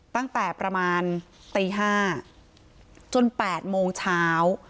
ตั้งแต่ประมาณตี๕จน๘โมงเช้า